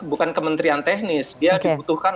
bukan kementerian teknis dia dibutuhkan